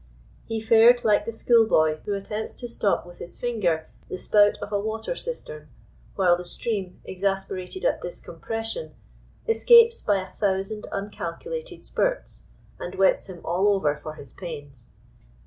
He fared like the school boy who attempts to stop with his finger the spout of a water cistern, while the stream, exasperated at this compression, escapes by a thousand uncalculated spurts, and wets him all over for his pains.